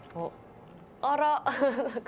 あら。